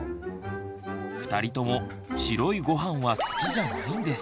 ２人とも白いごはんは好きじゃないんです。